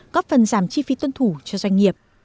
góp phần giảm chi phí tuân thủ cho doanh nghiệp